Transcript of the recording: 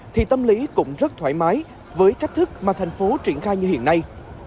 thì tâm lý cũng rất thoải mái với cách thức mà thành phố triển khai như hiện nay